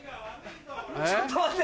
ちょっと待って。